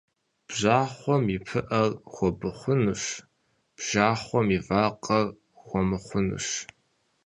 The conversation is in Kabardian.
Бжьахъуэм и пыӏэр хуэбыхъущ, бжьахъуэм и вакъэр хуэмыхъущ.